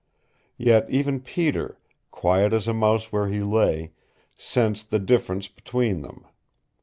Yet even Peter, quiet as a mouse where he lay, sensed the difference between them.